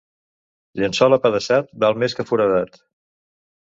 Llençol apedaçat val més que foradat.